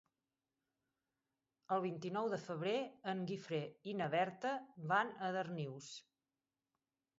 El vint-i-nou de febrer en Guifré i na Berta van a Darnius.